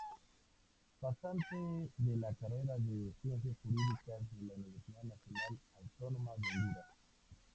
Pasante de la carrera de Ciencias Jurídicas de la Universidad Nacional Autónoma de Honduras.